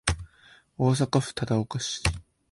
大阪府忠岡町